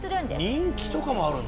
人気とかもあるんだ？